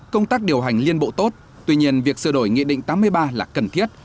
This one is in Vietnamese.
công tác điều hành liên bộ tốt tuy nhiên việc sửa đổi nghị định tám mươi ba là cần thiết